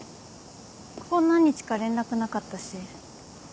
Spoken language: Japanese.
ここ何日か連絡なかったし。